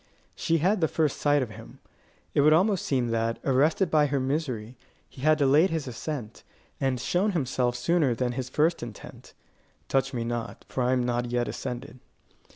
She had the first sight of him. It would almost seem that, arrested by her misery, he had delayed his ascent, and shown himself sooner than his first intent. "Touch me not, for I am not yet ascended."